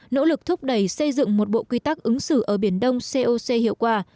nỗ lực thúc đẩy xây dựng một bộ quy tắc ứng xử ở biển đông coc hiệu quả